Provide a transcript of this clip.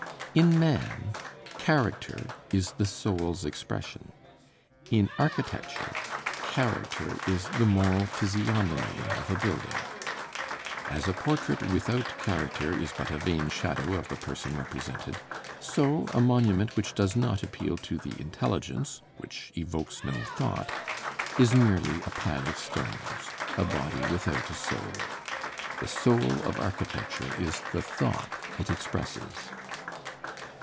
In man, character is the soul's expression. In architecture, character is the moral physiognomy o£ a building. As a portrait without character is but a vain shadow of the person represented, so a monument which does not appeal to the intelligence, which evokes no thought, is merely a pile of stones, a body without a soul. The soul of architecture is the thought it expresses.